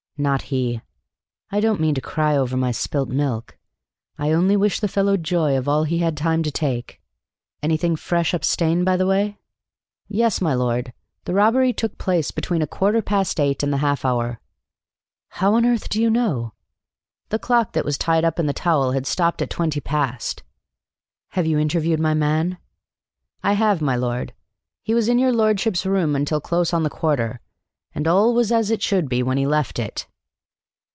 "Not he! I don't mean to cry over my spilt milk. I only wish the fellow joy of all he had time to take. Anything fresh up stairs by the way?" "Yes, my lord: the robbery took place between a quarter past eight and the half hour." "How on earth do you know?" "The clock that was tied up in the towel had stopped at twenty past." "Have you interviewed my man?" "I have, my lord. He was in your lordship's room until close on the quarter, and all was as it should be when he left it."